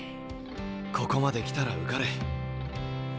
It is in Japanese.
ここまで来たら受かれ。